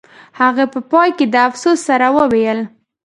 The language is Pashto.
هغې په پای کې د افسوس سره وویل